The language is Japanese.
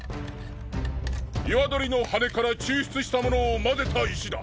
岩鳥の羽根から抽出したものを混ぜた石だ。